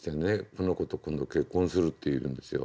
この子と今度結婚するって言うんですよ。